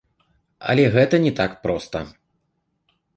Але гэта не так проста.